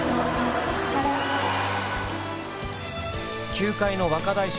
球界の若大将